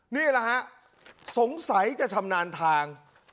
นี่ล่ะฮะสงสัยจะทำนานทาง